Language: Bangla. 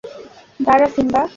দাড়া, সিম্বা!